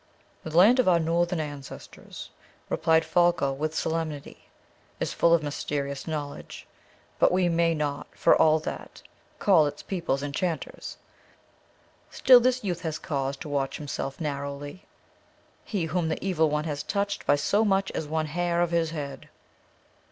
"The land of our northern ancestors," replied Folko with solemnity, "is full of mysterious knowledge. But we may not, for all that, call its people enchanters; still this youth has cause to watch himself narrowly; he whom the evil one has touched by so much as one hair of his head..."